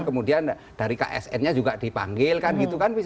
kemudian dari ksn nya juga dipanggil kan gitu kan